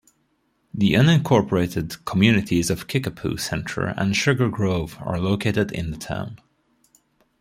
The unincorporated communities of Kickapoo Center and Sugar Grove are located in the town.